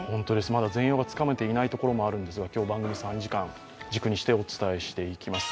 まだ全容がつかめていないところもあるんですが、今日番組３時間、軸にしてお伝えしてきます。